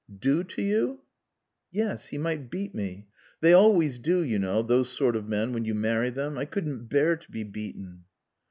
"Do to you?" "Yes. He might beat me. They always do, you know, those sort of men, when you marry them. I couldn't bear to be beaten."